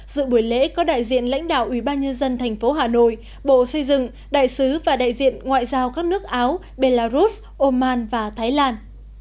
dự buổi lễ có đại diện lãnh đạo ủy ban nhân dân thành phố hà nội bộ xây dựng đại sứ và đại diện ngoại giao các nước áo belarus oman và thái lan